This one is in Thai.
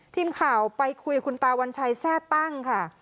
ทีมข่าวไปคุยคุณตาวัญชัยแทร่ตั้งค่ะ